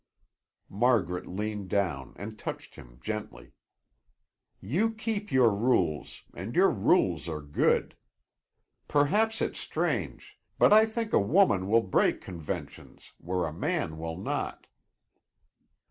Margaret leaned down and touched him gently. "You keep your rules, and your rules are good. Perhaps it's strange, but I think a woman will break conventions where a man will not.